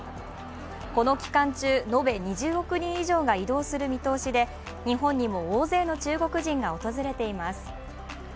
この期間中、延べ２０億人以上が移動する見通しで、日本にも大勢の中国人が訪れています。